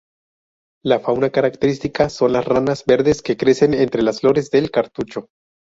La fauna característica son las ranas verdes que crecen entre las flores del cartucho.